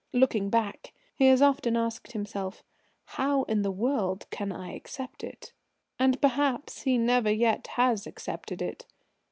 Looking back, he has often asked himself, "How in the world can I accept it?" And, perhaps, he never yet has accepted it.